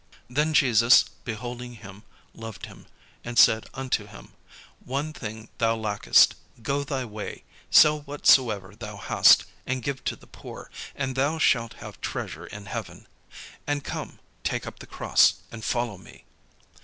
Then Jesus beholding him loved him, and said unto him, "One thing thou lackest: go thy way, sell whatsoever thou hast, and give to the poor, and thou shalt have treasure in heaven: and come, take up the cross, and follow me."